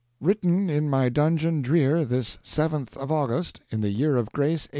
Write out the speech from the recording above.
"Written in my dungeon drear this 7th of August, in the year of Grace, 1866.